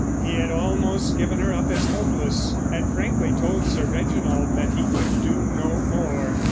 He had almost given her up as hopeless, had frankly told Sir Reginald he could do no more.